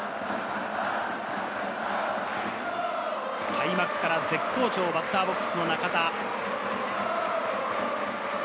開幕から絶好調、バッターボックスの中田。